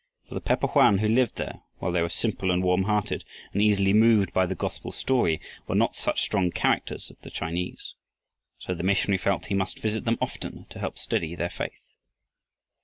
For the Pe pohoan who lived there, while they were simple and warm hearted and easily moved by the gospel story, were not such strong characters as the Chinese. So the missionary felt he must visit them often to help steady their faith.